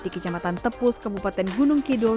di kecamatan tepus kabupaten gunung kidul